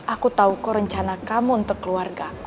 aku tahu kok rencana kamu untuk keluarga aku